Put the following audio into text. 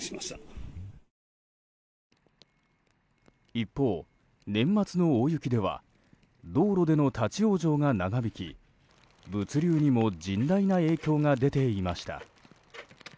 一方、年末の大雪では道路での立ち往生が長引き物流にも甚大な影響が出ていました。